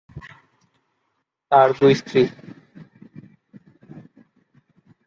তার দুই স্ত্রী।